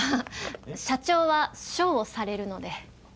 社長は書をされるので。